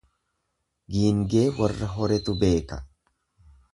Giingee warra horetu beeka.